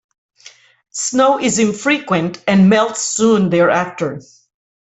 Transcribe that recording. Snow is infrequent and melts soon thereafter.